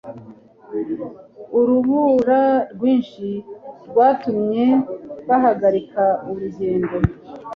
Urubura rwinshi rwatumye bahagarika urugendo.